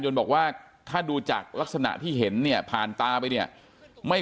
บอกว่าถ้าดูจากลักษณะที่เห็นเนี่ยผ่านตาไปเนี่ยไม่